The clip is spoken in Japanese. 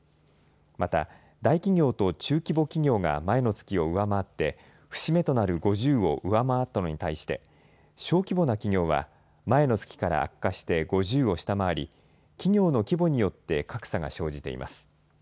また大企業と中規模企業が前の月を上回って節目となる５０を上回ったのに対して小規模な企業は前の月から悪化して５０を下回り企業の規模によって格差が生じています。